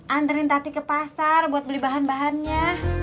anterin tati ke pasar buat beli bahan bahannya